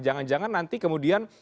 jangan jangan nanti kemudian